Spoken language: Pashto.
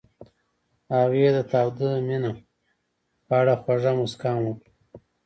هغې د تاوده مینه په اړه خوږه موسکا هم وکړه.